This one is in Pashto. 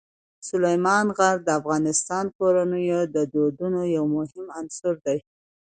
سلیمان غر د افغان کورنیو د دودونو یو مهم عنصر دی.